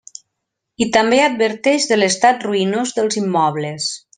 I també adverteix de l'estat ruïnós dels immobles.